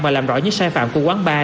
và làm rõ những sai phạm của quán bar